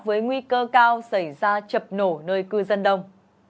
với nguy cơ cao xảy ra chập nổ nơi cư dân đông